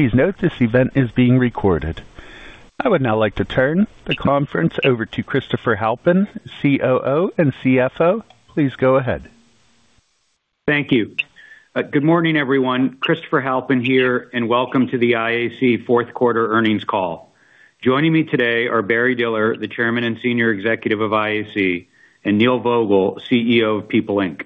Please note this event is being recorded. I would now like to turn the conference over to Christopher Halpin, COO and CFO. Please go ahead. Thank you. Good morning, everyone. Christopher Halpin here, and welcome to the IAC fourth quarter earnings call. Joining me today are Barry Diller, the Chairman and Senior Executive of IAC, and Neil Vogel, CEO of People Inc.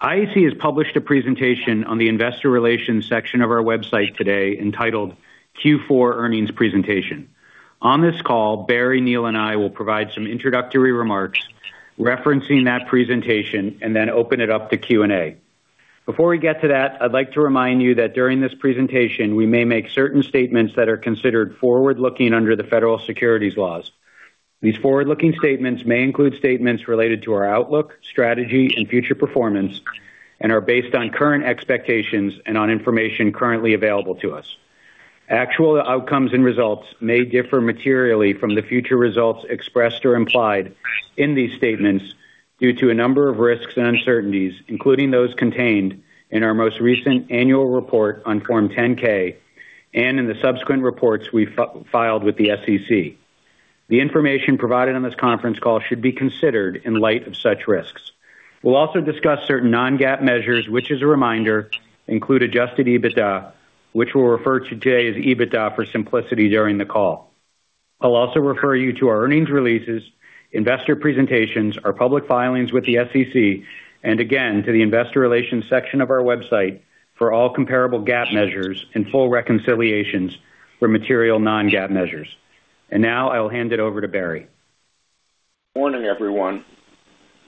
IAC has published a presentation on the investor relations section of our website today entitled Q4 Earnings Presentation. On this call, Barry, Neil, and I will provide some introductory remarks referencing that presentation and then open it up to Q&A. Before we get to that, I'd like to remind you that during this presentation, we may make certain statements that are considered forward-looking under the federal securities laws. These forward-looking statements may include statements related to our outlook, strategy, and future performance, and are based on current expectations and on information currently available to us. Actual outcomes and results may differ materially from the future results expressed or implied in these statements due to a number of risks and uncertainties, including those contained in our most recent annual report on Form 10-K and in the subsequent reports we filed with the SEC. The information provided on this conference call should be considered in light of such risks. We'll also discuss certain Non-GAAP measures, which, as a reminder, include adjusted EBITDA, which we'll refer to today as EBITDA for simplicity during the call. I'll also refer you to our earnings releases, investor presentations, our public filings with the SEC, and again, to the investor relations section of our website for all comparable GAAP measures and full reconciliations for material Non-GAAP measures. Now I will hand it over to Barry. Morning, everyone.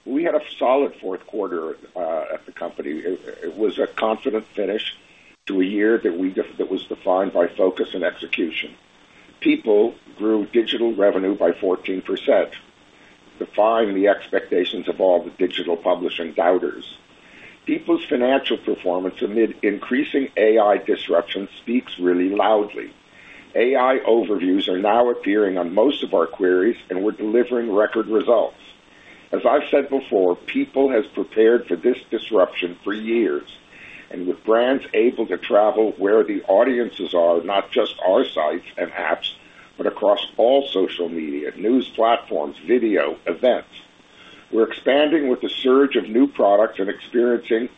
We had a solid fourth quarter at the company. It was a confident finish to a year that was defined by focus and execution. People grew digital revenue by 14%, defying the expectations of all the digital publishing doubters. People's financial performance amid increasing AI disruption speaks really loudly. AI overviews are now appearing on most of our queries, and we're delivering record results. As I've said before, People has prepared for this disruption for years, and with brands able to travel where the audiences are, not just our sites and apps, but across all social media, news platforms, video, events. We're expanding with a surge of new products and experiences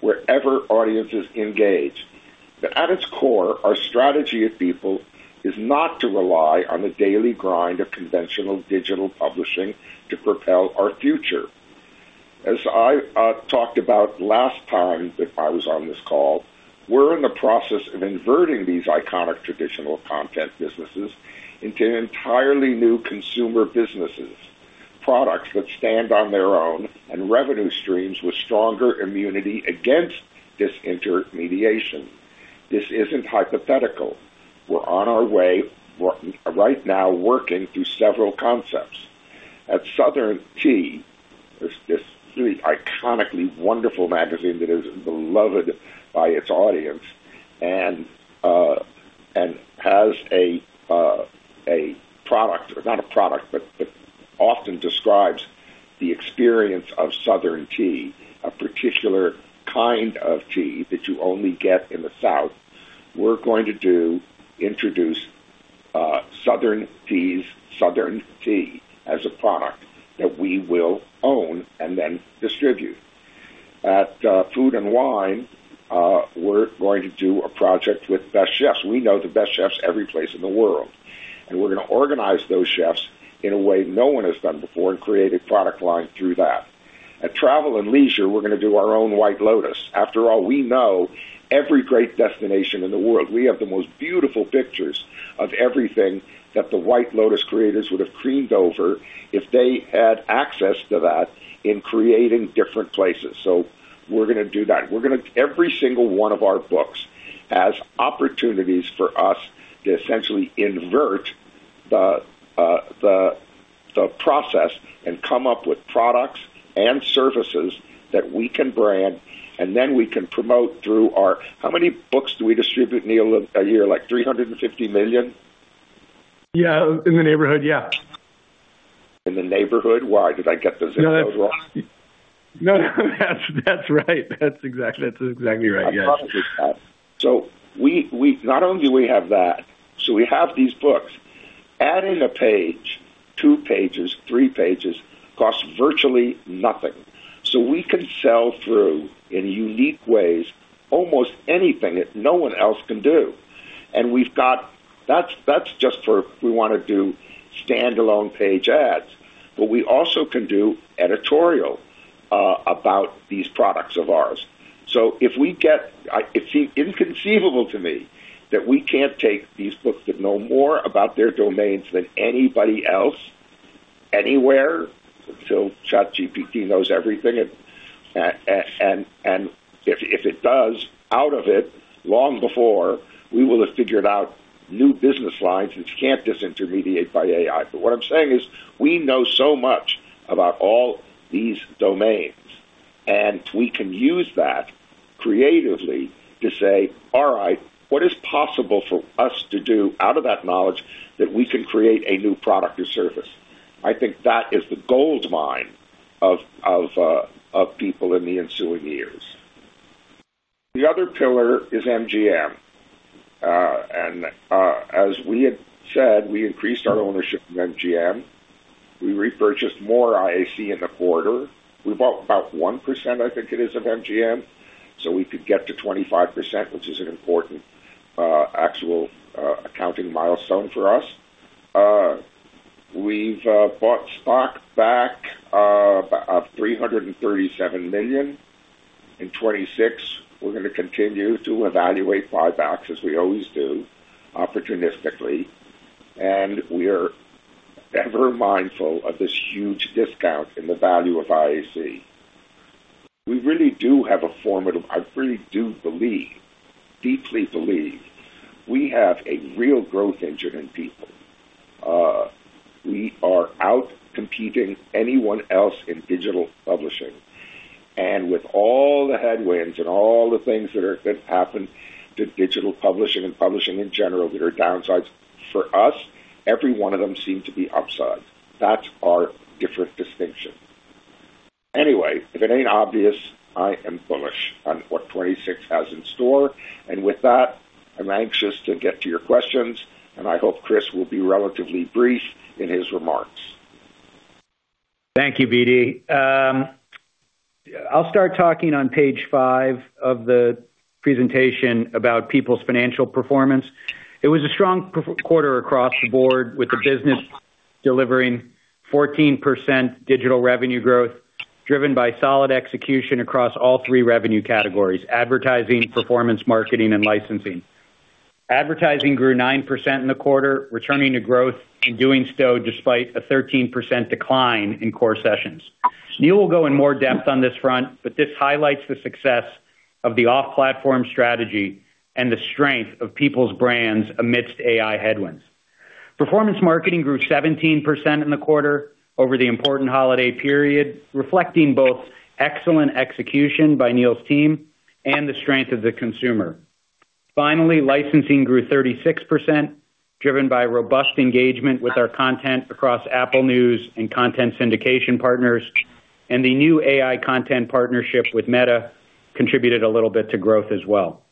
wherever audiences engage. But at its core, our strategy at People is not to rely on the daily grind of conventional digital publishing to propel our future. As I talked about last time that I was on this call, we're in the process of inverting these iconic traditional content businesses into entirely new consumer businesses, products that stand on their own and revenue streams with stronger immunity against disintermediation. This isn't hypothetical. We're on our way, right now, working through several concepts. At Southern Living, this iconically wonderful magazine that is beloved by its audience and has a product, not a product, but often describes the experience of Southern Living, a particular kind of living that you only get in the South. We're going to introduce Southern Living's Southern Living as a product that we will own and then distribute. At Food & Wine, we're going to do a project with best chefs. We know the best chefs every place in the world, and we're gonna organize those chefs in a way no one has done before and create a product line through that. At Travel + Leisure, we're gonna do our own White Lotus. After all, we know every great destination in the world. We have the most beautiful pictures of everything that the White Lotus creators would have creamed over if they had access to that in creating different places. So we're gonna do that. We're gonna... Every single one of our books has opportunities for us to essentially invert the process and come up with products and services that we can brand, and then we can promote through our. How many books do we distribute, Neil, a year? Like 350 million? Yeah, in the neighborhood. Yeah. In the neighborhood? Why? Did I get the zeros wrong? No, no, that's, that's right. That's exactly, that's exactly right. Yes. So, not only do we have that, so we have these books. Adding a page, 2 pages, 3 pages, costs virtually nothing. So we can sell through in unique ways, almost anything that no one else can do. And we've got. That's just for if we wanna do standalone page ads, but we also can do editorial about these products of ours. So if we get, it seems inconceivable to me that we can't take these books that know more about their domains than anybody else, anywhere, until ChatGPT knows everything, and if it does, out of it, long before, we will have figured out new business lines, which you can't disintermediate by AI. But what I'm saying is, we know so much about all these domains, and we can use that creatively to say: All right, what is possible for us to do out of that knowledge that we can create a new product or service?... I think that is the gold mine of, of, of People in the ensuing years. The other pillar is MGM. And, as we had said, we increased our ownership in MGM. We repurchased more IAC in the quarter. We bought about 1%, I think it is, of MGM, so we could get to 25%, which is an important actual accounting milestone for us. We've bought stock back about $337 million. In 2026, we're going to continue to evaluate buybacks, as we always do, opportunistically, and we are ever mindful of this huge discount in the value of IAC. We really do have a—I really do believe, deeply believe, we have a real growth engine in People. We are outcompeting anyone else in digital publishing, and with all the headwinds and all the things that happened to digital publishing and publishing in general, that are downsides, for us, every one of them seem to be upsides. That's our different distinction. Anyway, if it ain't obvious, I am bullish on what 2026 has in store, and with that, I'm anxious to get to your questions, and I hope Chris will be relatively brief in his remarks. Thank you, Barry. I'll start talking on page 5 of the presentation about People's Financial Performance. It was a strong quarter across the board, with the business delivering 14% digital revenue growth, driven by solid execution across all 3 revenue categories: advertising, performance, marketing, and licensing. Advertising grew 9% in the quarter, returning to growth and doing so despite a 13% decline in core sessions. Neil will go in more depth on this front, but this highlights the success of the off-platform strategy and the strength of People's brands amidst AI headwinds. Performance marketing grew 17% in the quarter over the important holiday period, reflecting both excellent execution by Neil's team and the strength of the consumer. Finally, licensing grew 36%, driven by robust engagement with our content across Apple News and content syndication partners, and the new AI content partnership with Meta contributed a little bit to growth as well.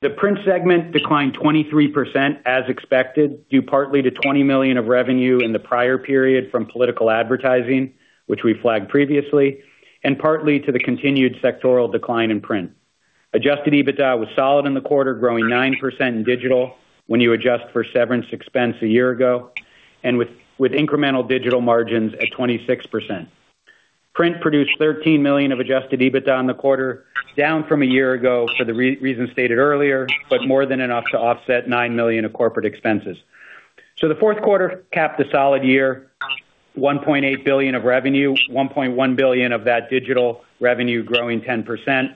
The print segment declined 23% as expected, due partly to $20 million of revenue in the prior period from political advertising, which we flagged previously, and partly to the continued sectoral decline in print. Adjusted EBITDA was solid in the quarter, growing 9% in digital when you adjust for severance expense a year ago, and with incremental digital margins at 26%. Print produced $13 million of adjusted EBITDA in the quarter, down from a year ago for the reason stated earlier, but more than enough to offset $9 million of corporate expenses. So the fourth quarter capped a solid year, $1.8 billion of revenue, $1.1 billion of that digital revenue growing 10%.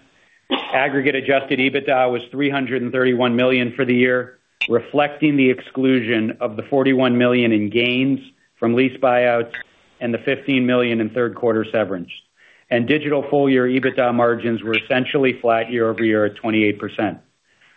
Aggregate adjusted EBITDA was $331 million for the year, reflecting the exclusion of the $41 million in gains from lease buyouts and the $15 million in third quarter severance. Digital full-year EBITDA margins were essentially flat year-over-year at 28%.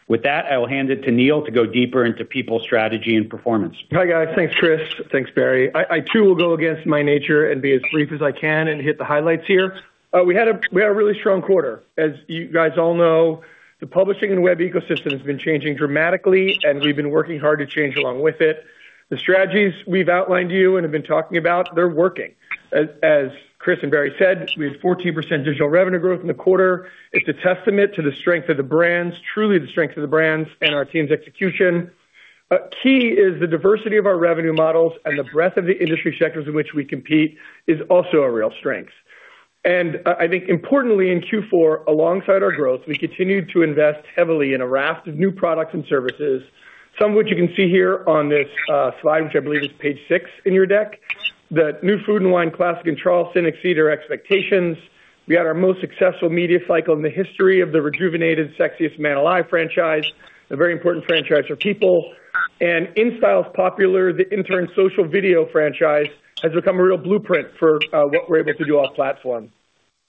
With that, I will hand it to Neil to go deeper into People's strategy and performance. Hi, guys. Thanks, Chris. Thanks, Barry. I, too, will go against my nature and be as brief as I can and hit the highlights here. We had a really strong quarter. As you guys all know, the publishing and web ecosystem has been changing dramatically, and we've been working hard to change along with it. The strategies we've outlined to you and have been talking about, they're working. As Chris and Barry said, we had 14% digital revenue growth in the quarter. It's a testament to the strength of the brands, truly the strength of the brands and our team's execution. Key is the diversity of our revenue models and the breadth of the industry sectors in which we compete is also a real strength. I think importantly, in Q4, alongside our growth, we continued to invest heavily in a raft of new products and services, some of which you can see here on this slide, which I believe is page six in your deck. The new Food & Wine Classic in Charleston exceed our expectations. We had our most successful media cycle in the history of the rejuvenated Sexiest Man Alive franchise, a very important franchise for People. InStyle's popular The Intern social video franchise has become a real blueprint for what we're able to do off platform.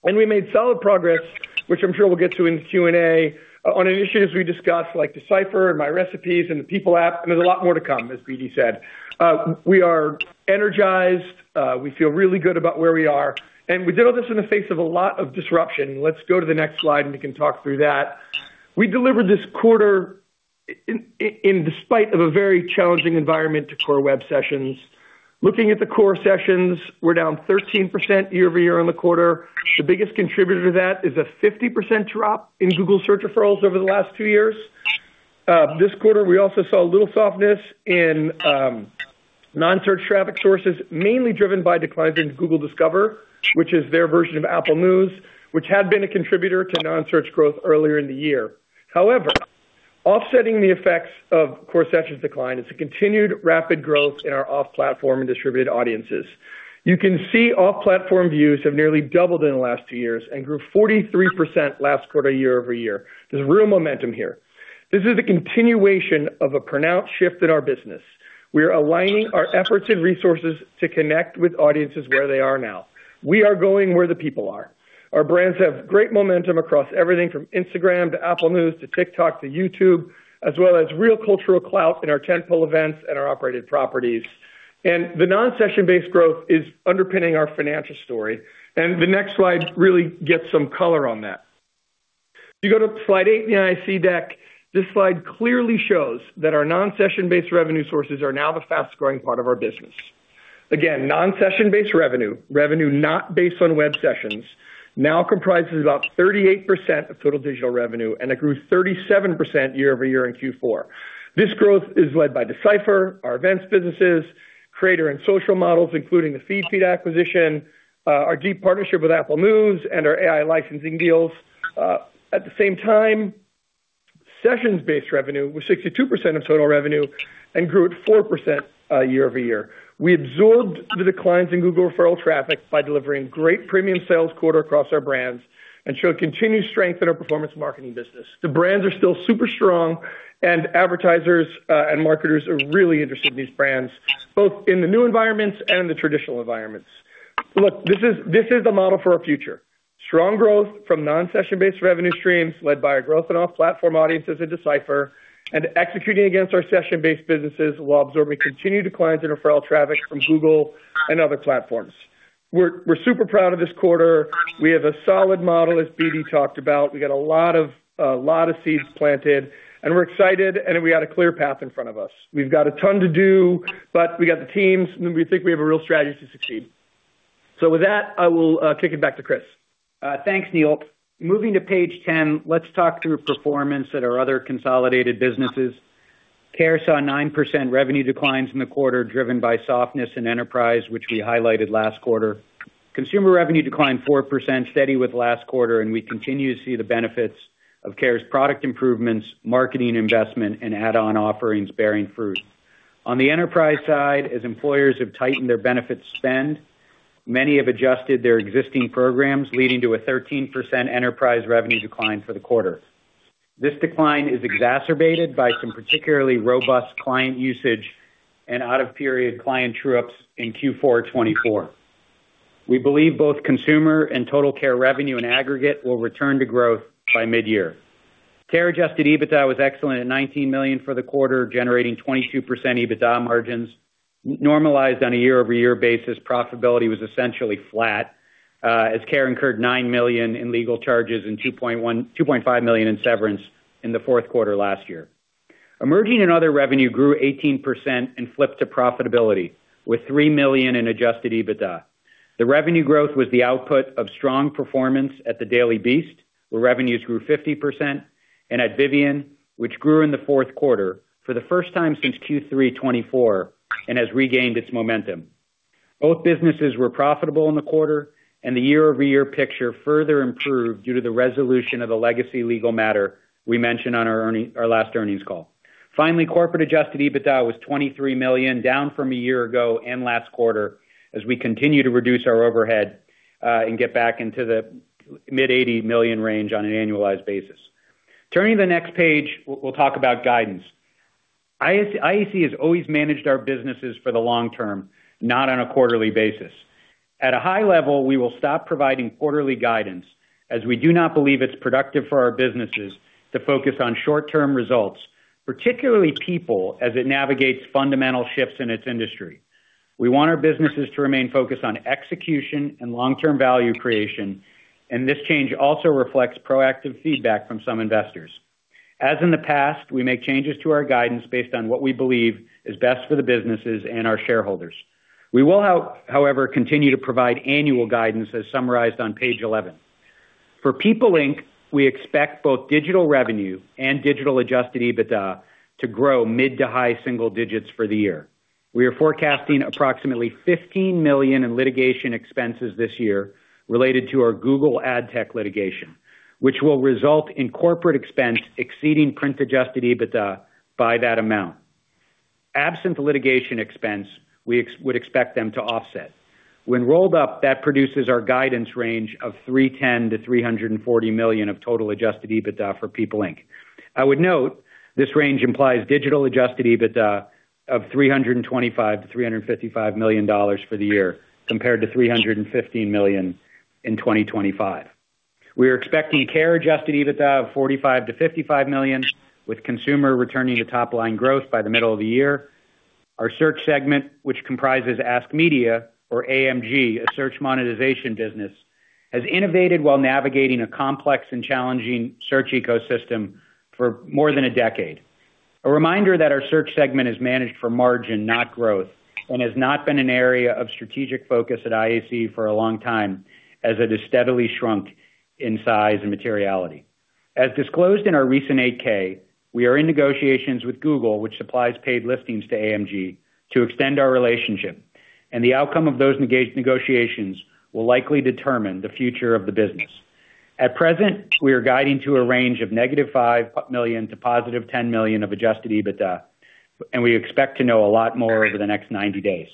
We made solid progress, which I'm sure we'll get to in the Q&A, on initiatives we discussed, like D/Cipher, MyRecipes, and the People app, and there's a lot more to come, as BD said. We are energized, we feel really good about where we are, and we did all this in the face of a lot of disruption. Let's go to the next slide, and we can talk through that. We delivered this quarter in despite of a very challenging environment to core web sessions. Looking at the core sessions, we're down 13% year-over-year on the quarter. The biggest contributor to that is a 50% drop in Google Search referrals over the last two years. This quarter, we also saw a little softness in non-search traffic sources, mainly driven by declines in Google Discover, which is their version of Apple News, which had been a contributor to non-search growth earlier in the year. However, offsetting the effects of core sessions decline is a continued rapid growth in our off-platform and distributed audiences. You can see off-platform views have nearly doubled in the last two years and grew 43% last quarter, year-over-year. There's real momentum here. This is a continuation of a pronounced shift in our business. We are aligning our efforts and resources to connect with audiences where they are now. We are going where the people are. Our brands have great momentum across everything from Instagram to Apple News, to TikTok, to YouTube, as well as real cultural clout in our tentpole events and our operated properties. The non-session-based growth is underpinning our financial story, and the next slide really gets some color on that. If you go to slide 8 in the IAC deck, this slide clearly shows that our non-session-based revenue sources are now the fastest-growing part of our business. Again, non-session-based revenue, revenue not based on web sessions, now comprises about 38% of total digital revenue, and it grew 37% year-over-year in Q4. This growth is led by Decipher, our events businesses, creator and social models, including the Feedfeed acquisition, our deep partnership with Apple News and our AI licensing deals. At the same time, sessions-based revenue was 62% of total revenue and grew at 4% year-over-year. We absorbed the declines in Google referral traffic by delivering great premium sales quarter across our brands and showed continued strength in our performance marketing business. The brands are still super strong, and advertisers and marketers are really interested in these brands, both in the new environments and the traditional environments. Look, this is, this is the model for our future. Strong growth from non-session-based revenue streams, led by our growth in off-platform audiences at Decipher, and executing against our session-based businesses, while absorbing continued declines in referral traffic from Google and other platforms. We're super proud of this quarter. We have a solid model, as BD talked about. We got a lot of seeds planted, and we're excited, and we got a clear path in front of us. We've got a ton to do, but we got the teams, and we think we have a real strategy to succeed. So with that, I will kick it back to Chris. Thanks, Neil. Moving to page 10, let's talk through performance at our other consolidated businesses. Care saw a 9% revenue declines in the quarter, driven by softness in enterprise, which we highlighted last quarter. Consumer revenue declined 4%, steady with last quarter, and we continue to see the benefits of Care's product improvements, marketing investment, and add-on offerings bearing fruit. On the enterprise side, as employers have tightened their benefits spend, many have adjusted their existing programs, leading to a 13% enterprise revenue decline for the quarter. This decline is exacerbated by some particularly robust client usage and out-of-period client true-ups in Q4 2024. We believe both consumer and total Care revenue in aggregate will return to growth by midyear. Care adjusted EBITDA was excellent at $19 million for the quarter, generating 22% EBITDA margins. Normalized on a year-over-year basis, profitability was essentially flat, as Care incurred $9 million in legal charges and $2.1-$2.5 million in severance in the fourth quarter last year. Emerging & Other revenue grew 18% and flipped to profitability, with $3 million in adjusted EBITDA. The revenue growth was the output of strong performance at The Daily Beast, where revenues grew 50%, and at Vivian, which grew in the fourth quarter for the first time since Q3 2024 and has regained its momentum. Both businesses were profitable in the quarter, and the year-over-year picture further improved due to the resolution of the legacy legal matter we mentioned on our last earnings call. Finally, corporate adjusted EBITDA was $23 million, down from a year ago and last quarter, as we continue to reduce our overhead and get back into the mid-$80 million range on an annualized basis. Turning to the next page, we'll talk about guidance. IAC has always managed our businesses for the long term, not on a quarterly basis. At a high level, we will stop providing quarterly guidance, as we do not believe it's productive for our businesses to focus on short-term results, particularly People, as it navigates fundamental shifts in its industry. We want our businesses to remain focused on execution and long-term value creation, and this change also reflects proactive feedback from some investors. As in the past, we make changes to our guidance based on what we believe is best for the businesses and our shareholders. We will, however, continue to provide annual guidance as summarized on page 11. For People Inc, we expect both digital revenue and digital adjusted EBITDA to grow mid to high single digits for the year. We are forecasting approximately $15 million in litigation expenses this year related to our Google AdTech litigation, which will result in corporate expense exceeding print adjusted EBITDA by that amount. Absent the litigation expense, we would expect them to offset. When rolled up, that produces our guidance range of $310 million-$340 million of total adjusted EBITDA for People Inc. I would note, this range implies digital adjusted EBITDA of $325 million-$355 million for the year, compared to $315 million in 2025. We are expecting core adjusted EBITDA of $45 million-$55 million, with consumer returning to top-line growth by the middle of the year. Our search segment, which comprises Ask Media, or AMG, a search monetization business, has innovated while navigating a complex and challenging search ecosystem for more than a decade. A reminder that our search segment is managed for margin, not growth, and has not been an area of strategic focus at IAC for a long time, as it has steadily shrunk in size and materiality. As disclosed in our recent 8-K, we are in negotiations with Google, which supplies paid listings to AMG, to extend our relationship, and the outcome of those negotiations will likely determine the future of the business. At present, we are guiding to a range of $-5 million to $10 million of adjusted EBITDA, and we expect to know a lot more over the next 90 days.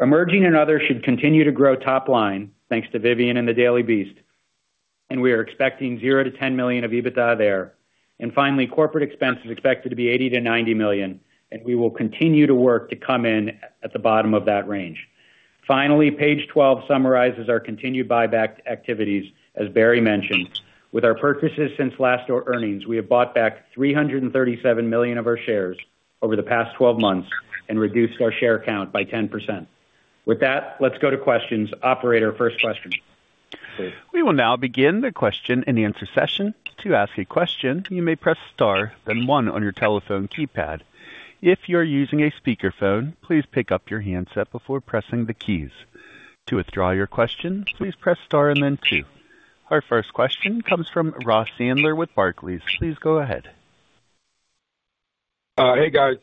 Emerging and other should continue to grow top line, thanks to Vivian and The Daily Beast, and we are expecting $0-$10 million of EBITDA there. And finally, corporate expense is expected to be $80 million-$90 million, and we will continue to work to come in at the bottom of that range.... Finally, page 12 summarizes our continued buyback activities. As Barry mentioned, with our purchases since last earnings, we have bought back $337 million of our shares over the past 12 months and reduced our share count by 10%. With that, let's go to questions. Operator, first question. We will now begin the question and answer session. To ask a question, you may press star, then 1 on your telephone keypad. If you're using a speakerphone, please pick up your handset before pressing the keys. To withdraw your question, please press star and then 2. Our first question comes from Ross Sandler with Barclays. Please go ahead. Hey, guys.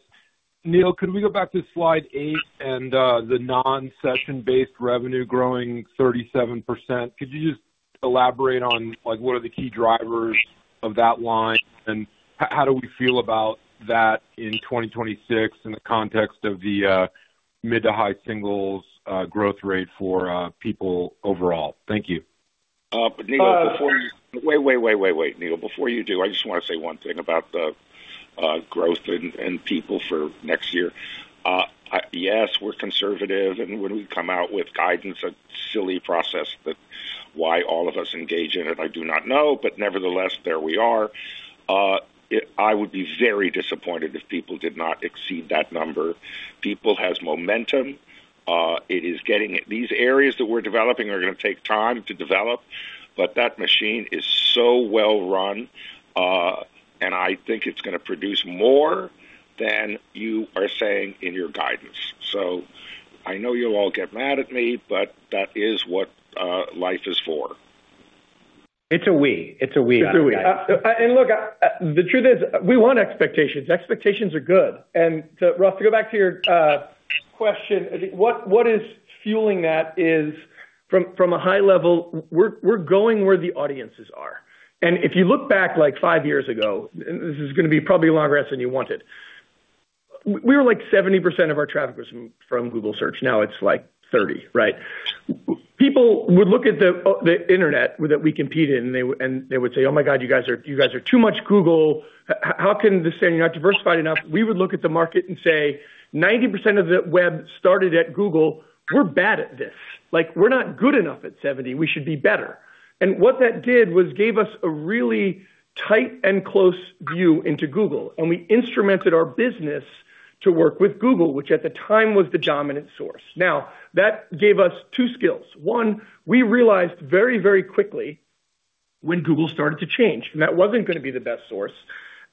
Neil, could we go back to slide 8 and the non-session-based revenue growing 37%? Could you just elaborate on, like, what are the key drivers of that line, and how do we feel about that in 2026 in the context of the mid- to high singles growth rate for people overall? Thank you. But Neil, before you do, I just want to say one thing about the growth and people for next year. Yes, we're conservative, and when we come out with guidance, a silly process, but why all of us engage in it, I do not know, but nevertheless, there we are. I would be very disappointed if people did not exceed that number. People has momentum. It is getting... These areas that we're developing are going to take time to develop, but that machine is so well run, and I think it's going to produce more than you are saying in your guidance. So I know you'll all get mad at me, but that is what life is for. It's a we. It's a we. And look, the truth is, we want expectations. Expectations are good. And so Ross, to go back to your question, I think what is fueling that is from a high level, we're going where the audiences are. And if you look back, like, five years ago, and this is going to be probably a longer answer than you wanted, we were like 70% of our traffic was from Google Search. Now it's like 30%, right? People would look at the internet that we compete in, and they would say, "Oh, my God, you guys are, you guys are too much Google. How can this say you're not diversified enough?" We would look at the market and say, "90% of the web started at Google. We're bad at this. Like, we're not good enough at 70. We should be better." And what that did was gave us a really tight and close view into Google, and we instrumented our business to work with Google, which at the time, was the dominant source. Now, that gave us two skills. One, we realized very, very quickly when Google started to change, and that wasn't going to be the best source.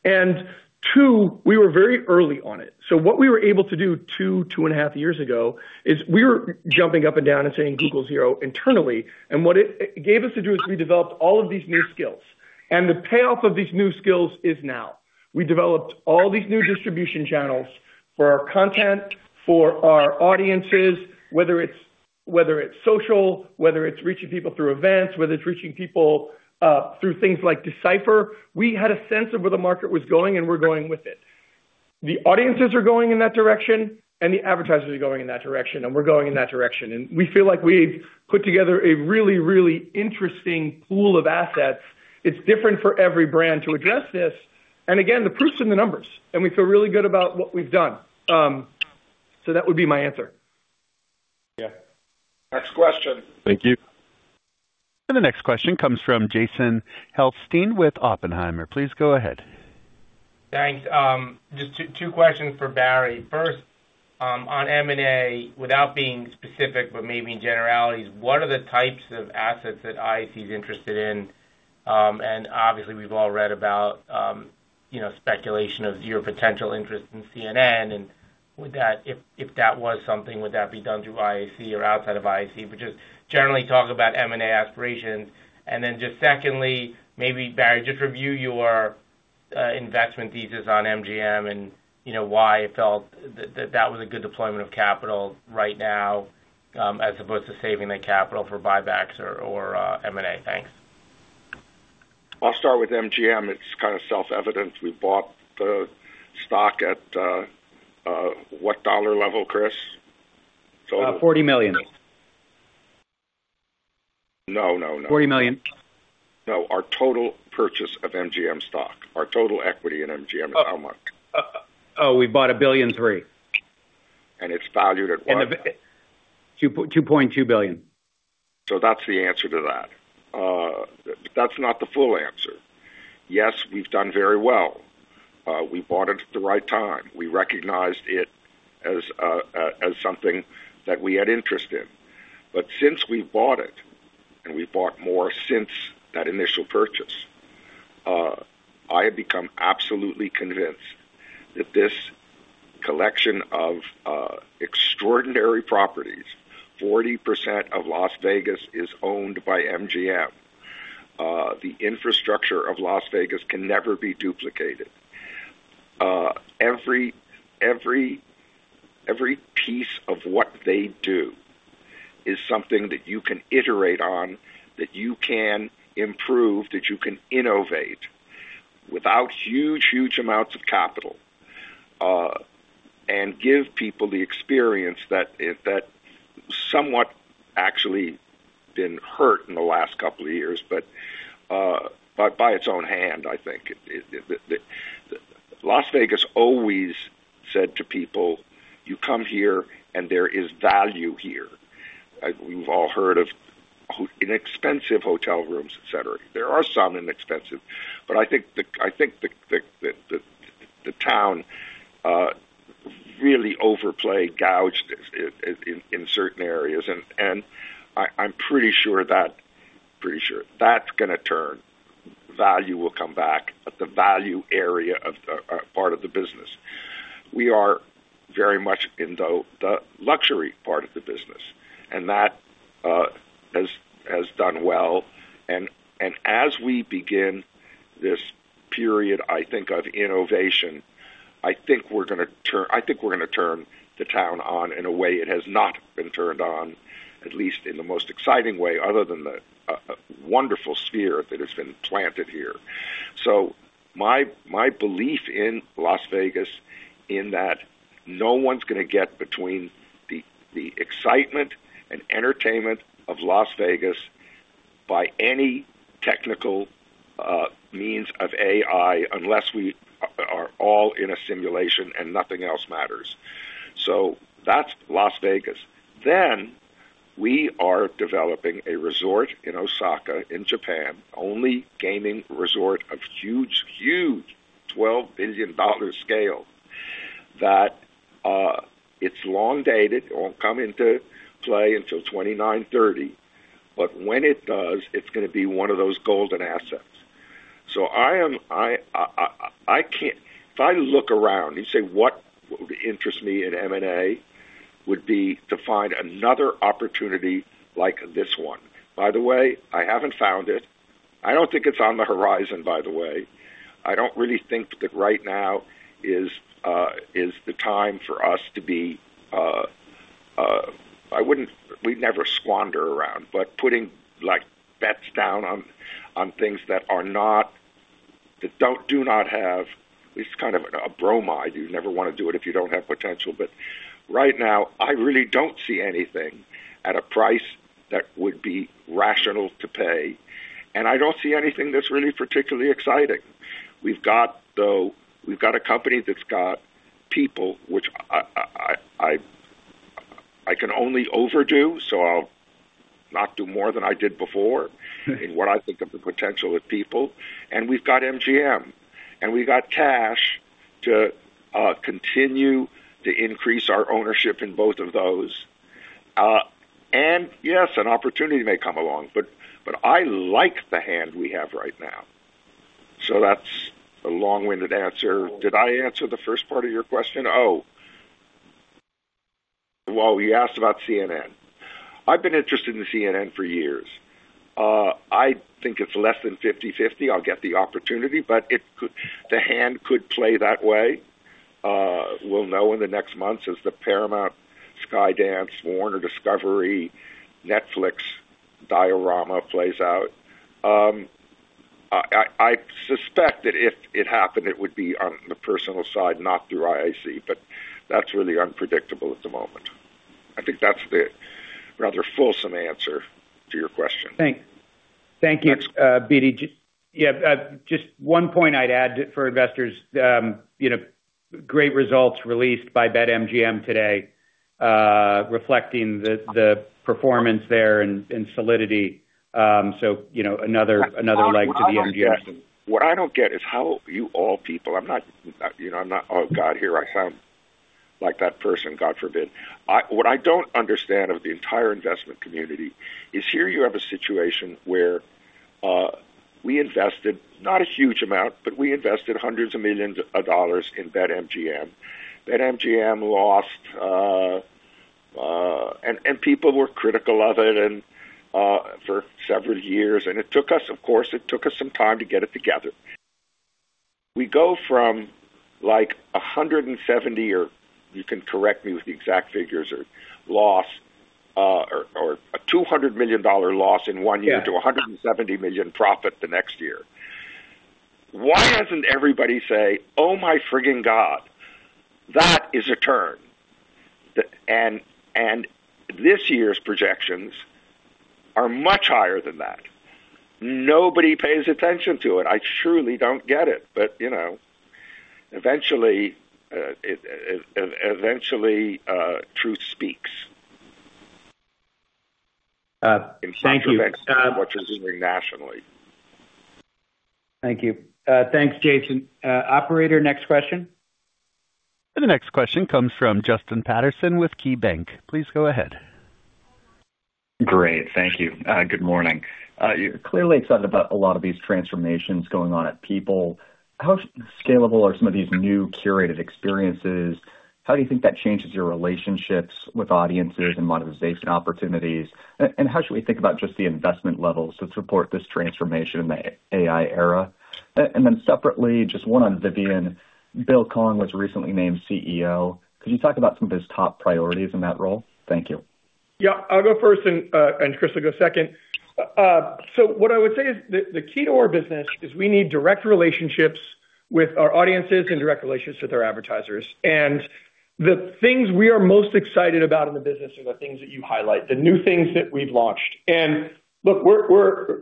And two, we were very early on it. So what we were able to do 2, 2.5 years ago, is we were jumping up and down and saying Google Zero internally, and what it gave us to do is we developed all of these new skills. And the payoff of these new skills is now. We developed all these new distribution channels for our content, for our audiences, whether it's, whether it's social, whether it's reaching people through events, whether it's reaching people through things like Decipher. We had a sense of where the market was going, and we're going with it. The audiences are going in that direction, and the advertisers are going in that direction, and we're going in that direction. We feel like we've put together a really, really interesting pool of assets. It's different for every brand to address this. Again, the proof's in the numbers, and we feel really good about what we've done. So that would be my answer. Yeah. Next question. Thank you. The next question comes from Jason Helfstein with Oppenheimer. Please go ahead. Thanks. Just 2, 2 questions for Barry. First, on M&A, without being specific, but maybe in generalities, what are the types of assets that IAC is interested in? And obviously, we've all read about, you know, speculation of your potential interest in CNN, and if, if that was something, would that be done through IAC or outside of IAC? But just generally talk about M&A aspirations. And then just secondly, maybe, Barry, just review your investment thesis on MGM and, you know, why it felt that that was a good deployment of capital right now, as opposed to saving the capital for buybacks or, M&A. Thanks. I'll start with MGM. It's kind of self-evident. We bought the stock at what dollar level, Chris? $40 million. No, no, no. Forty million. No, our total purchase of MGM stock. Our total equity in MGM is how much? Oh, we bought 1,000,000,003. It's valued at what? $2.2 billion. So that's the answer to that. That's not the full answer. Yes, we've done very well. We bought it at the right time. We recognized it as something that we had interest in. But since we bought it, and we bought more since that initial purchase, I have become absolutely convinced that this collection of extraordinary properties, 40% of Las Vegas is owned by MGM. The infrastructure of Las Vegas can never be duplicated. Every piece of what they do is something that you can iterate on, that you can improve, that you can innovate without huge amounts of capital, and give people the experience that somewhat actually been hurt in the last couple of years, but by its own hand, I think. It, the Las Vegas always said to people, "You come here, and there is value here." We've all heard of inexpensive hotel rooms, et cetera. There are some inexpensive, but I think the town really overplayed, gouged, in certain areas, and I, I'm pretty sure that, pretty sure that's gonna turn. Value will come back, the value area of part of the business. We are very much in the luxury part of the business, and that has done well. As we begin this period, I think, of innovation, I think we're gonna turn the town on in a way it has not been turned on, at least in the most exciting way, other than the wonderful Sphere that has been planted here. So my belief in Las Vegas, in that no one's gonna get between the excitement and entertainment of Las Vegas by any technical means of AI, unless we are all in a simulation and nothing else matters. So that's Las Vegas. Then, we are developing a resort in Osaka, in Japan, only gaming resort of huge, huge $12 billion scale, that it's long dated. It won't come into play until 2029-30, but when it does, it's gonna be one of those golden assets. So I am, I can't if I look around and say, what would interest me in M&A? Would be to find another opportunity like this one. By the way, I haven't found it. I don't think it's on the horizon, by the way. I don't really think that right now is the time for us to be. I wouldn't. We'd never squander around, but putting, like, bets down on things that are not, that don't, do not have. It's kind of a bromide. You never wanna do it if you don't have potential, but right now, I really don't see anything at a price that would be rational to pay, and I don't see anything that's really particularly exciting. We've got, though. We've got a company that's got people, which I can only overdo, so I'll not do more than I did before, in what I think of the potential of people. We've got MGM, and we've got cash to continue to increase our ownership in both of those. Yes, an opportunity may come along, but I like the hand we have right now. So that's a long-winded answer. Did I answer the first part of your question? Oh, well, you asked about CNN. I've been interested in CNN for years. I think it's less than 50/50. I'll get the opportunity, but it could, the hand could play that way. We'll know in the next months as the Paramount, Skydance, Warner Discovery, Netflix drama plays out. I suspect that if it happened, it would be on the personal side, not through IAC, but that's really unpredictable at the moment. I think that's the rather fulsome answer to your question. Thank you, BD. Yeah, just one point I'd add for investors, great results released by BetMGM today, reflecting the performance there and solidity. So, another leg to the MGM. What I don't get, what I don't get is how you all people, I'm not, you know, I'm not, oh, God, here I sound like that person, God forbid. What I don't understand of the entire investment community is here you have a situation where we invested, not a huge amount, but we invested $hundreds of millions in BetMGM. BetMGM lost, and people were critical of it and for several years, and it took us, of course, it took us some time to get it together. We go from, like, 170, or you can correct me with the exact figures or loss, or a $200 million loss in one year Yeah. to $170 million profit the next year. Why doesn't everybody say, "Oh, my freaking God! That is a turn." And this year's projections are much higher than that. Nobody pays attention to it. I truly don't get it, but, you know, eventually, it, eventually, truth speaks. Thank you. What you're seeing nationally. Thank you. Thanks, Jason. Operator, next question. The next question comes from Justin Patterson with KeyBanc. Please go ahead. Great. Thank you. Good morning. You're clearly excited about a lot of these transformations going on at People. How scalable are some of these new curated experiences? How do you think that changes your relationships with audiences and monetization opportunities? And, and how should we think about just the investment levels to support this transformation in the AI era? And then separately, just one on Vivian. Bill Kong was recently named CEO. Could you talk about some of his top priorities in that role? Thank you. Yeah, I'll go first and, and Chris will go second. So what I would say is the key to our business is we need direct relationships with our audiences and direct relationships with our advertisers. And the things we are most excited about in the business are the things that you highlight, the new things that we've launched. And look, we're, we're-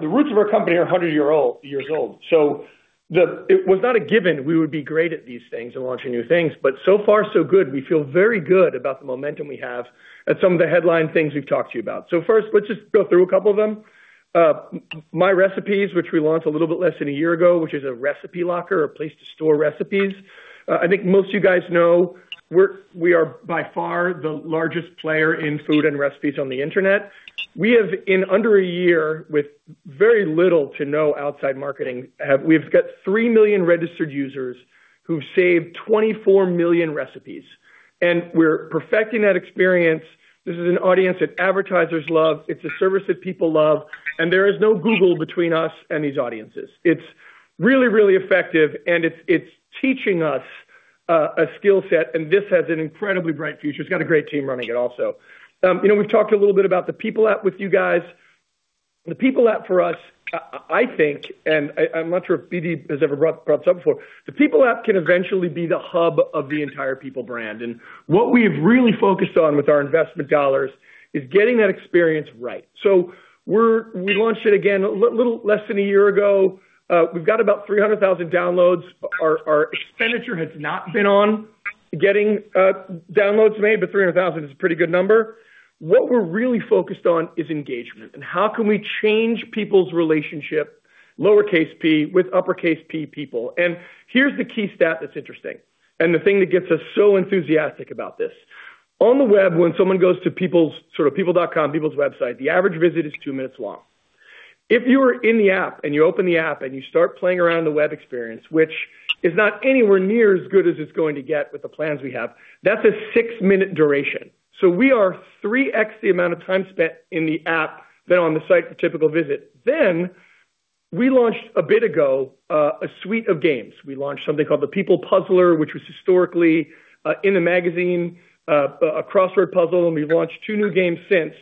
The roots of our company are 100 years old. So it was not a given we would be great at these things and launching new things, but so far so good. We feel very good about the momentum we have and some of the headline things we've talked to you about. So first, let's just go through a couple of them. MyRecipes, which we launched a little bit less than a year ago, which is a recipe locker, a place to store recipes. I think most of you guys know we're, we are by far the largest player in food and recipes on the internet. We have, in under a year, with very little to no outside marketing, we've got 3 million registered users who've saved 24 million recipes, and we're perfecting that experience. This is an audience that advertisers love, it's a service that people love, and there is no Google between us and these audiences. It's really, really effective, and it's teaching us a skill set, and this has an incredibly bright future. It's got a great team running it also. You know, we've talked a little bit about the People app with you guys. The People app for us, I think, and I'm not sure if BD has ever brought this up before, the People app can eventually be the hub of the entire People brand. And what we've really focused on with our investment dollars is getting that experience right. So we launched it again, a little less than a year ago. We've got about 300,000 downloads. Our expenditure has not been on getting downloads made, but 300,000 is a pretty good number. What we're really focused on is engagement and how can we change people's relationship, lowercase p with uppercase P People. And here's the key stat that's interesting, and the thing that gets us so enthusiastic about this. On the web, when someone goes to People's, sort of people.com, People's website, the average visit is two minutes long. If you are in the app, and you open the app, and you start playing around the web experience, which is not anywhere near as good as it's going to get with the plans we have, that's a six-minute duration. So we are 3x the amount of time spent in the app than on the site for typical visit. Then, we launched a bit ago, a suite of games. We launched something called The People Puzzler, which was historically in a magazine, a crossword puzzle, and we've launched two new games since.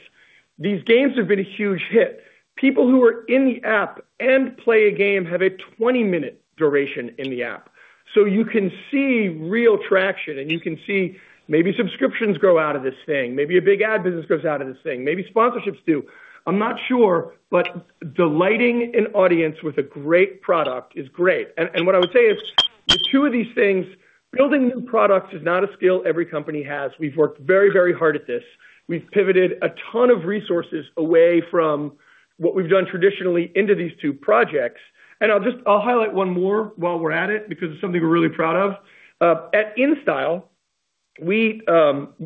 These games have been a huge hit. People who are in the app and play a game have a 20-minute duration in the app. So you can see real traction, and you can see maybe subscriptions grow out of this thing. Maybe a big ad business grows out of this thing. Maybe sponsorships do. I'm not sure, but delighting an audience with a great product is great. And what I would say is, the two of these things, building new products is not a skill every company has. We've worked very, very hard at this. We've pivoted a ton of resources away from what we've done traditionally into these two projects, and I'll just... I'll highlight one more while we're at it, because it's something we're really proud of. At InStyle, we,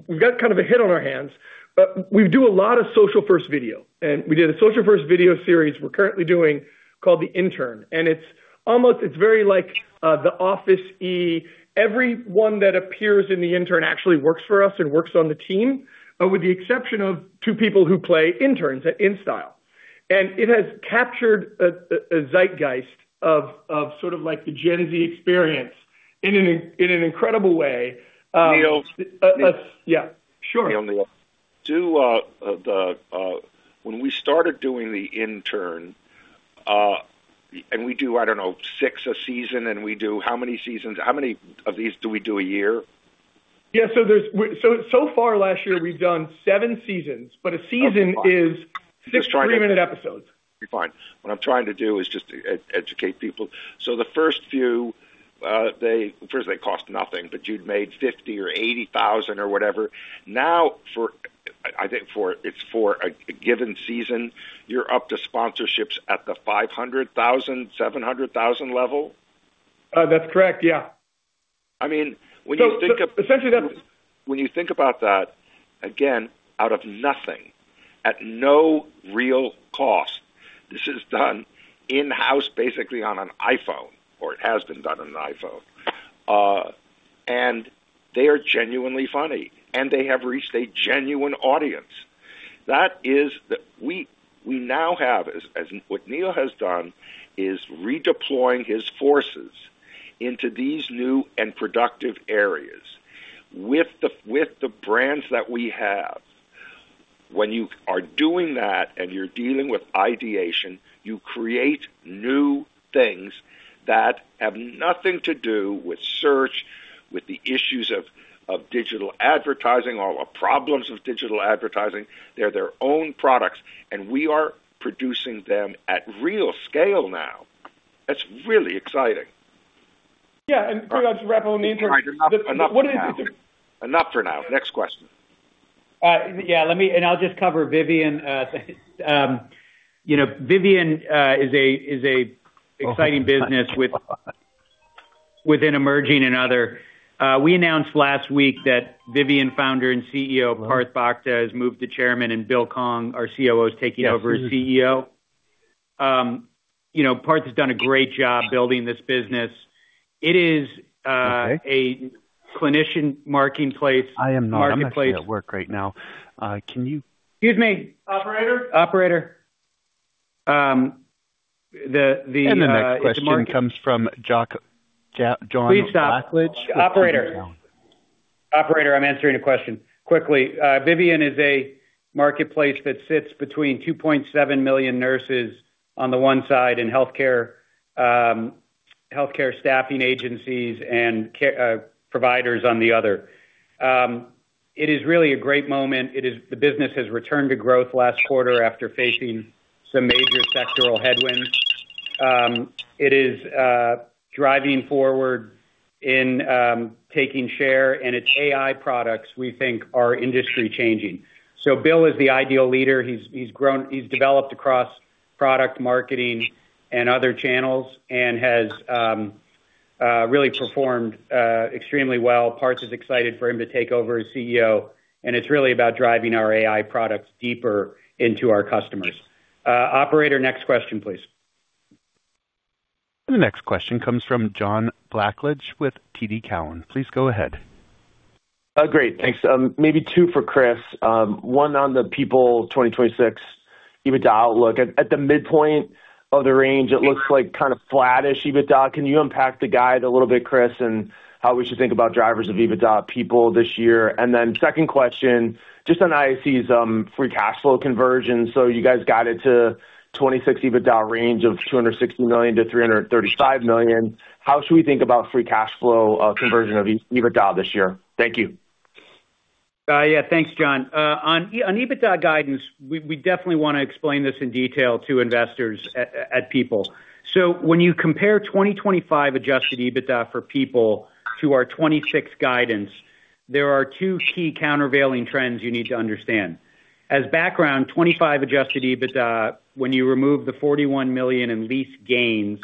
we've got kind of a hit on our hands, but we do a lot of social first video. And we did a social first video series we're currently doing called The Intern, and it's almost, it's very like, The Office-y. Everyone that appears in The Intern actually works for us and works on the team, with the exception of two people who play interns at InStyle. And it has captured a zeitgeist of sort of like the Gen Z experience in an incredible way. Neil? Yeah, sure. Neil, when we started doing The Intern, and we do, I don't know, six a season, and we do how many seasons? How many of these do we do a year? Yeah, so there's so, so far last year, we've done 7 seasons, but a season is 6 3-minute episodes. Fine. What I'm trying to do is just to educate people. So the first few, First, they cost nothing, but you'd made $50,000 or $80,000 or whatever. Now, I think it's for a given season, you're up to sponsorships at the $500,000-$700,000 level? That's correct, yeah. I mean, when you think of- So essentially, that's- When you think about that, again, out of nothing, at no real cost, this is done in-house, basically on an iPhone, or it has been done on an iPhone. And they are genuinely funny, and they have reached a genuine audience. That is the-- we, we now have as, as... What Neil has done is redeploying his forces into these new and productive areas with the, with the brands that we have. When you are doing that, and you're dealing with ideation, you create new things that have nothing to do with search, with the issues of, of digital advertising or, or problems with digital advertising. They're their own products, and we are producing them at real scale now. That's really exciting. Yeah, and perhaps to wrap on The Intern Enough for now. Enough for now. Next question. Yeah, let me just cover Vivian. Vivian is a exciting business within Emerging and Other. We announced last week that Vivian founder and CEO, Parth Bhakta, has moved to chairman, and Bill Kong, our COO, is taking over as CEO. Parth has done a great job building this business. It is Okay. a clinician marketplace. I am not. I'm actually at work right now. Can you- Excuse me, operator? Operator, the market- The next question comes from John Blackledge with JPMorgan. Please stop. Operator. Operator, I'm answering a question. Quickly, Vivian is a marketplace that sits between 2.7 million nurses on the one side in healthcare, healthcare staffing agencies and care providers on the other. It is really a great moment. It is the business has returned to growth last quarter after facing some major sectoral headwinds. It is driving forward in taking share, and its AI products, we think, are industry-changing. So Bill is the ideal leader. He's developed across product marketing and other channels and has really performed extremely well. IAC is excited for him to take over as CEO, and it's really about driving our AI products deeper into our customers. Operator, next question, please. The next question comes from John Blackledge with TD Cowen. Please go ahead. Great. Thanks. Maybe two for Chris. One on the People 2026 EBITDA outlook. At the midpoint of the range, it looks like kind of flattish EBITDA. Can you unpack the guide a little bit, Chris, and how we should think about drivers of EBITDA people this year? And then second question, just on IAC's free cash flow conversion. So you guys got it to 2026 EBITDA range of $260 million-$335 million. How should we think about free cash flow conversion of EBITDA this year? Thank you. Yeah, thanks, John. On EBITDA guidance, we definitely want to explain this in detail to investors at People. So when you compare 2025 adjusted EBITDA for People to our 2026 guidance, there are two key countervailing trends you need to understand. As background, 2025 adjusted EBITDA, when you remove the $41 million in lease gains,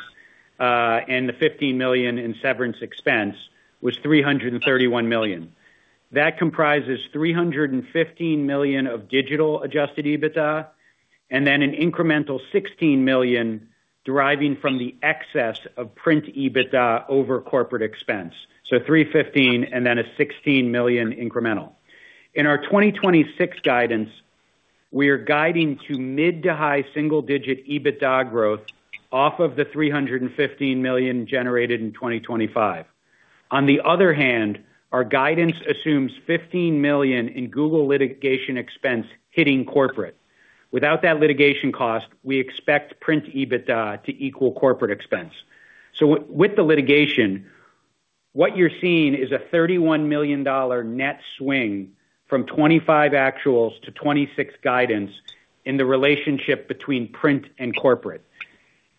and the $15 million in severance expense, was $331 million. That comprises $315 million of digital adjusted EBITDA, and then an incremental $16 million deriving from the excess of print EBITDA over corporate expense. So $315 million and then a $16 million incremental. In our 2026 guidance, we are guiding to mid- to high single-digit EBITDA growth off of the $315 million generated in 2025. On the other hand, our guidance assumes $15 million in Google litigation expense hitting corporate. Without that litigation cost, we expect print EBITDA to equal corporate expense. So with the litigation, what you're seeing is a $31 million net swing from 25 actuals to 26 guidance in the relationship between print and corporate.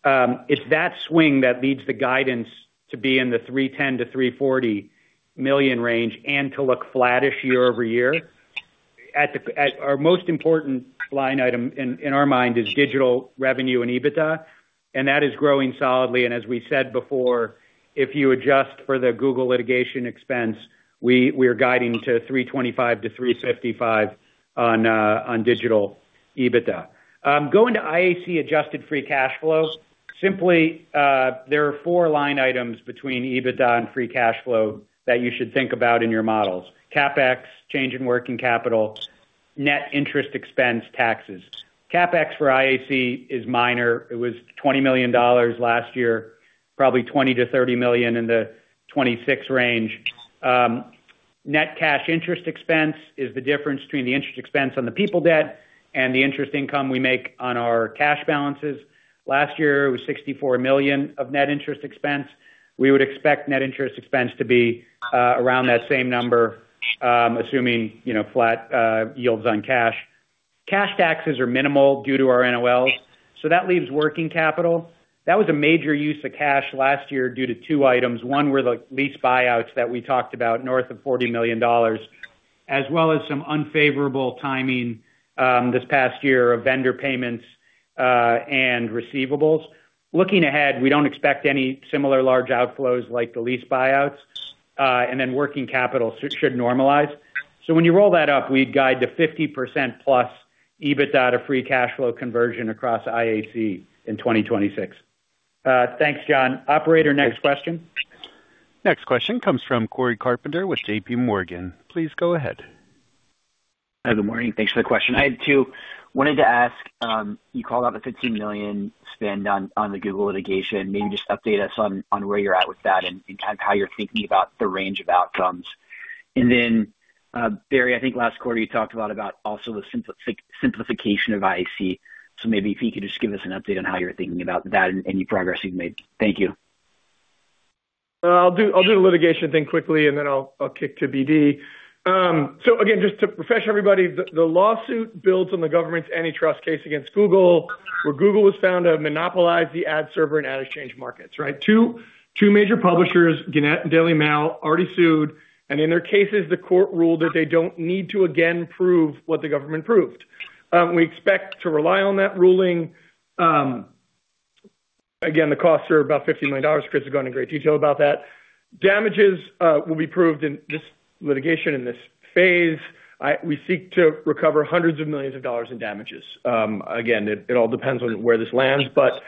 It's that swing that leads the guidance to be in the $310 million-$340 million range and to look flattish year-over-year. At our most important line item in our mind is digital revenue and EBITDA, and that is growing solidly. And as we said before, if you adjust for the Google litigation expense, we are guiding to $325-$355 on digital EBITDA. Going to IAC adjusted free cash flow, simply, there are four line items between EBITDA and free cash flow that you should think about in your models: CapEx, change in working capital, net interest expense, taxes. CapEx for IAC is minor. It was $20 million last year, probably $20 million-$30 million in the 2026 range. Net cash interest expense is the difference between the interest expense on the People debt and the interest income we make on our cash balances. Last year, it was $64 million of net interest expense. We would expect net interest expense to be around that same number, assuming, you know, flat yields on cash. Cash taxes are minimal due to our NOLs, so that leaves working capital. That was a major use of cash last year due to two items. One were the lease buyouts that we talked about, north of $40 million, as well as some unfavorable timing, this past year of vendor payments, and receivables. Looking ahead, we don't expect any similar large outflows like the lease buyouts, and then working capital should normalize. So when you roll that up, we'd guide to 50%+ EBITDA to free cash flow conversion across IAC in 2026. Thanks, John. Operator, next question. Next question comes from Corey Carpenter with J.P. Morgan. Please go ahead. Hi, good morning. Thanks for the question. I had two. Wanted to ask, you called out the $15 million spend on, on the Google litigation. Maybe just update us on, on where you're at with that and, and kind of how you're thinking about the range of outcomes. And then, Barry, I think last quarter you talked a lot about also the simplification of IAC. So maybe if you could just give us an update on how you're thinking about that and any progress you've made. Thank you. I'll do the litigation thing quickly, and then I'll kick to BD. So again, just to refresh everybody, the lawsuit builds on the government's antitrust case against Google, where Google was found to have monopolized the ad server and ad exchange markets, right? Two major publishers, Gannett and Daily Mail, already sued, and in their cases, the court ruled that they don't need to again prove what the government proved. We expect to rely on that ruling. Again, the costs are about $50 million. Chris has gone in great detail about that. Damages will be proved in this litigation, in this phase. We seek to recover hundreds of millions of dollars in damages. Again, it all depends on where this lands, but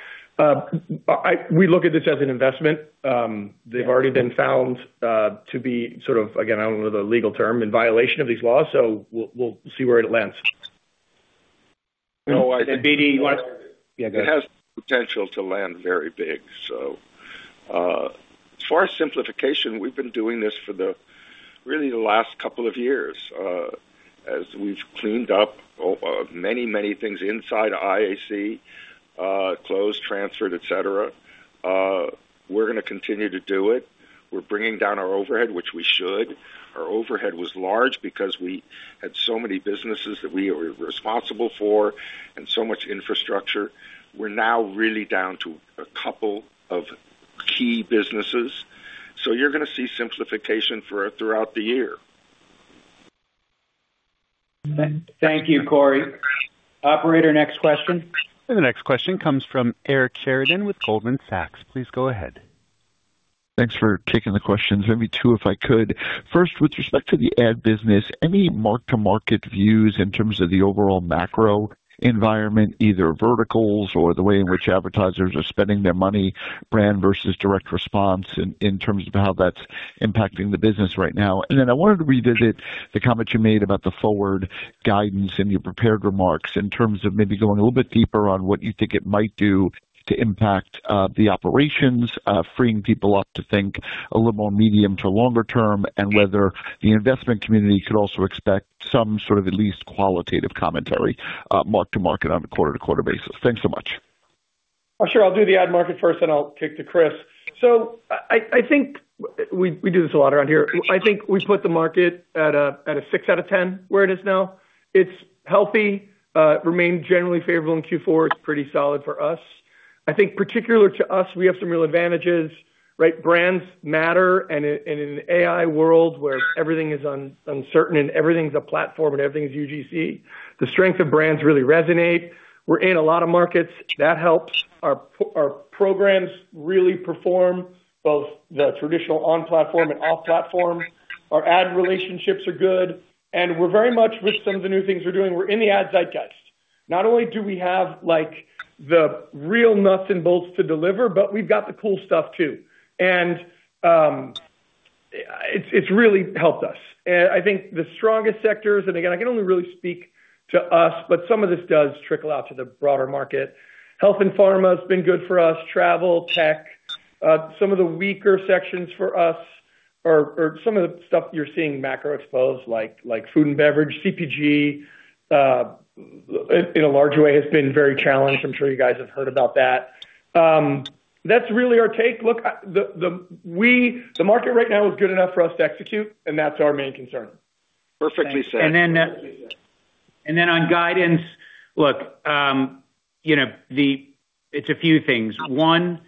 we look at this as an investment. They've already been found to be sort of, again, I don't know the legal term, in violation of these laws, so we'll see where it lands. No, I think- BD, you want to...? Yeah, go ahead. It has the potential to land very big. So, as far as simplification, we've been doing this for the- really the last couple of years, as we've cleaned up, many, many things inside IAC, closed, transferred, et cetera, we're gonna continue to do it. We're bringing down our overhead, which we should. Our overhead was large because we had so many businesses that we were responsible for and so much infrastructure. We're now really down to a couple of key businesses. So you're gonna see simplification throughout the year. Thank you, Corey. Operator, next question. The next question comes from Eric Sheridan with Goldman Sachs. Please go ahead. Thanks for taking the questions. Maybe two, if I could. First, with respect to the ad business, any mark-to-market views in terms of the overall macro environment, either verticals or the way in which advertisers are spending their money, brand versus direct response, in terms of how that's impacting the business right now? And then I wanted to revisit the comment you made about the forward guidance in your prepared remarks in terms of maybe going a little bit deeper on what you think it might do to impact the operations, freeing people up to think a little more medium to longer term, and whether the investment community could also expect some sort of at least qualitative commentary, mark to market on a quarter-to-quarter basis. Thanks so much. Oh, sure. I'll do the ad market first, then I'll kick to Chris. So I think we do this a lot around here. I think we put the market at a six out of ten, where it is now. It's healthy, remained generally favorable in Q4. It's pretty solid for us. I think particular to us, we have some real advantages, right? Brands matter, and in an AI world where everything is uncertain and everything's a platform and everything is UGC, the strength of brands really resonate. We're in a lot of markets. That helps. Our programs really perform, both the traditional on-platform and off-platform. Our ad relationships are good, and we're very much with some of the new things we're doing, we're in the ads I test. Not only do we have, like, the real nuts and bolts to deliver, but we've got the cool stuff, too. And it's really helped us. And I think the strongest sectors, and again, I can only really speak to us, but some of this does trickle out to the broader market. Health and pharma has been good for us, travel, tech. Some of the weaker sections for us or some of the stuff you're seeing, macro exposed, like food and beverage, CPG, in a large way, has been very challenged. I'm sure you guys have heard about that. That's really our take. Look, the market right now is good enough for us to execute, and that's our main concern. Perfectly said. And then on guidance, look, you know. It's a few things. One,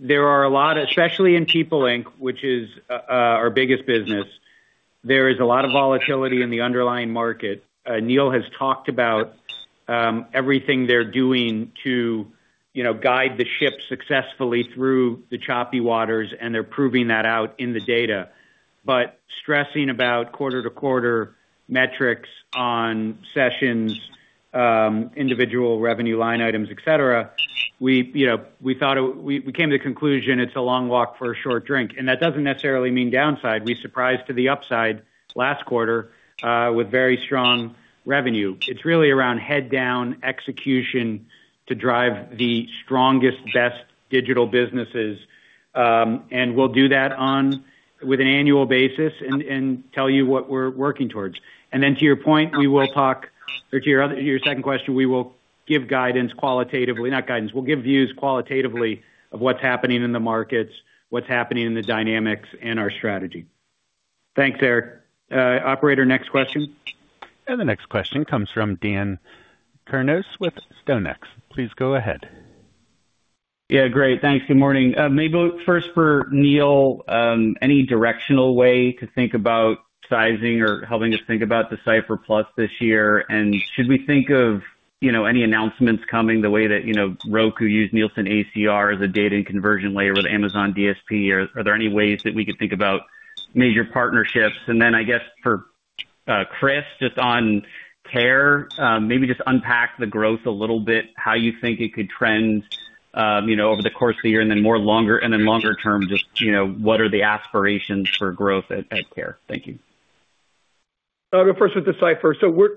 there are a lot, especially in People Inc, which is our biggest business. There is a lot of volatility in the underlying market. Neil has talked about everything they're doing to, you know, guide the ship successfully through the choppy waters, and they're proving that out in the data. But stressing about quarter-to-quarter metrics on sessions, individual revenue line items, et cetera, we, you know, we thought we came to the conclusion, it's a long walk for a short drink, and that doesn't necessarily mean downside. We surprised to the upside last quarter with very strong revenue. It's really around head down execution to drive the strongest, best digital businesses. And we'll do that on with an annual basis and tell you what we're working towards. And then to your point, we will talk or to your other, your second question, we will give guidance qualitatively. Not guidance, we'll give views qualitatively of what's happening in the markets, what's happening in the dynamics and our strategy. Thanks, Eric. Operator, next question. The next question comes from Dan Kurnos with StoneX. Please go ahead. Yeah, great. Thanks. Good morning. Maybe first for Neil, any directional way to think about sizing or helping us think about Decipher Plus this year? And should we think of, you know, any announcements coming the way that, you know, Roku used Nielsen ACR as a data and conversion layer with Amazon DSP? Or are there any ways that we could think about major partnerships? And then, I guess, for Chris, just on Care, maybe just unpack the growth a little bit, how you think it could trend, you know, over the course of the year, and then more longer, and then longer term, just, you know, what are the aspirations for growth at Care? Thank you. I'll go first with Decipher. So we're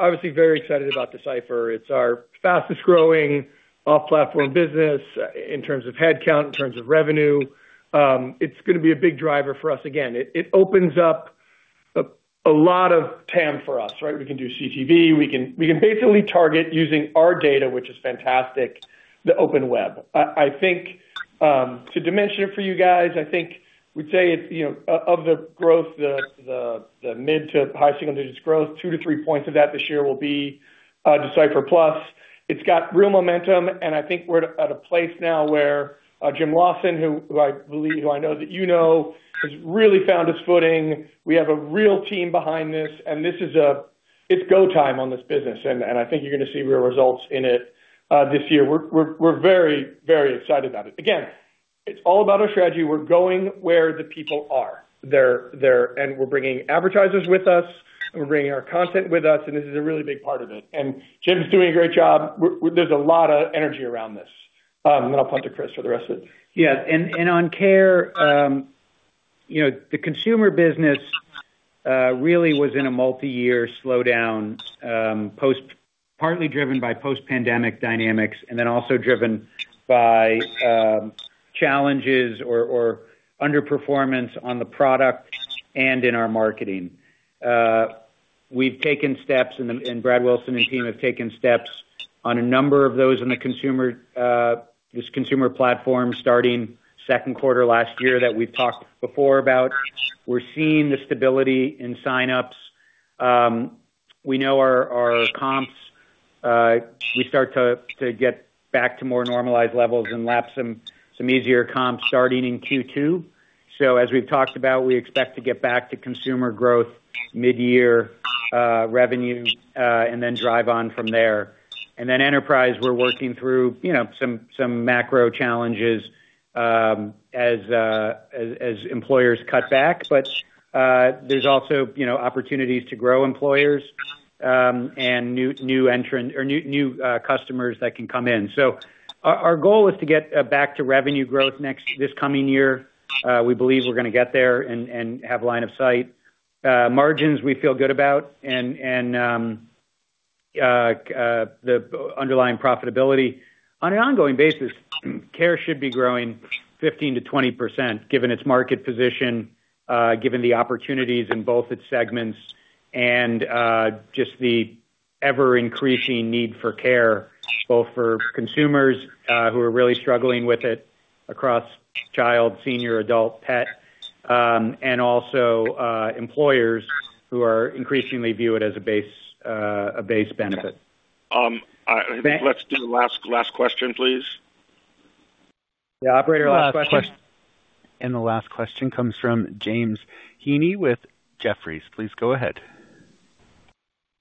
obviously very excited about Decipher. It's our fastest-growing off-platform business in terms of headcount, in terms of revenue. It's gonna be a big driver for us. Again, it opens up a lot of TAM for us, right? We can do CTV, we can basically target using our data, which is fantastic, the open web. I think to dimension it for you guys, I think we'd say it's, you know, of the growth, the mid- to high-single-digits growth, 2-3 points of that this year will be Decipher Plus. It's got real momentum, and I think we're at a place now where Jim Norton, who I believe, who I know that you know, has really found his footing. We have a real team behind this, and this is. It's go time on this business, and I think you're gonna see real results in it this year. We're very, very excited about it. Again, it's all about our strategy. We're going where the people are. They're and we're bringing advertisers with us, and we're bringing our content with us, and this is a really big part of it. And Jim's doing a great job. There's a lot of energy around this. Then I'll point to Chris for the rest of it. Yeah, Angi, the consumer business really was in a multiyear slowdown, partly driven by post-pandemic dynamics and then also driven by challenges or underperformance on the product and in our marketing. We've taken steps, Brad Wilson and team have taken steps on a number of those in the consumer, this consumer platform, starting second quarter last year that we've talked before about. We're seeing the stability in sign-ups. We know our comps, we start to get back to more normalized levels and lap some easier comps starting in Q2. So as we've talked about, we expect to get back to consumer growth mid-year, revenue, and then drive on from there. And then enterprise, we're working through, you know, some macro challenges, as employers cut back. But there's also, opportunities to grow employers, and new customers that can come in. So our goal is to get back to revenue growth this coming year. We believe we're going to get there and have line of sight. Margins, we feel good about, and the underlying profitability. On an ongoing basis, Care should be growing 15%-20%, given its market position, given the opportunities in both its segments and, just the ever-increasing need for care, both for consumers, who are really struggling with it across child, senior, adult, pet, and also, employers who are increasingly view it as a base, a base benefit. Let's do the last question, please. Yeah, operator, last question. The last question comes from James Heaney with Jefferies. Please go ahead.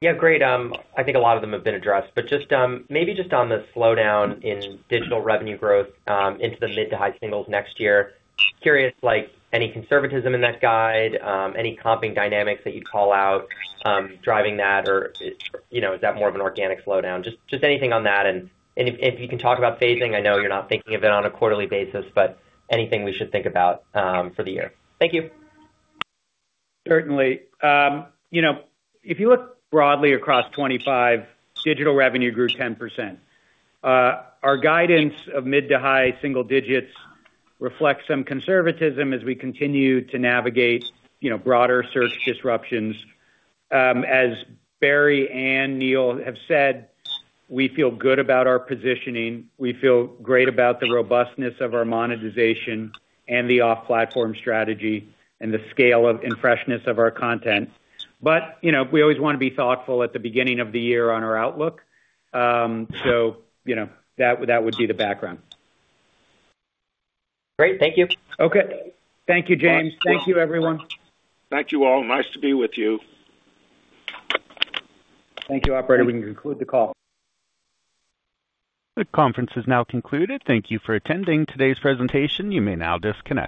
Yeah, great. I think a lot of them have been addressed, but just, maybe just on the slowdown in digital revenue growth, into the mid to high singles next year. Curious, like, any conservatism in that guide, any comping dynamics that you'd call out, driving that? Or, you know, is that more of an organic slowdown? Just, just anything on that, and if, if you can talk about phasing, I know you're not thinking of it on a quarterly basis, but anything we should think about, for the year. Thank you. Certainly. You know, if you look broadly across 25, digital revenue grew 10%. Our guidance of mid- to high-single digits reflects some conservatism as we continue to navigate, you know, broader search disruptions. As Barry and Neil have said, we feel good about our positioning. We feel great about the robustness of our monetization and the off-platform strategy and the scale of, and freshness of our content. But, you know, we always want to be thoughtful at the beginning of the year on our outlook. So that, that would be the background. Great. Thank you. Okay. Thank you, James. Thank you, everyone. Thank you all. Nice to be with you. Thank you, operator. We can conclude the call. The conference is now concluded. Thank you for attending today's presentation. You may now disconnect.